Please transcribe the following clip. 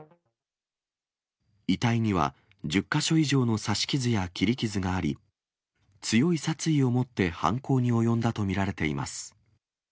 遺体には、１０か所以上の刺し傷や切り傷があり、強い殺意を持って犯行に及んだと見られています。